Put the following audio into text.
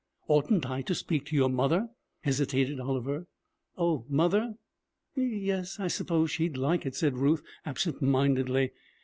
'Oughtn't I to speak to your mother?' hesitated Oliver. 'Oh, mother? Yes, I suppose she'd like it,' said Ruth, absent mindedly.